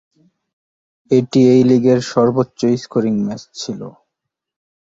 এটি এই লীগের সর্বোচ্চ 'স্কোরিং' ম্যাচ ছিল।